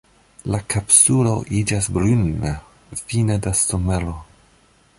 La kapsulo iĝas bruna fine de somero.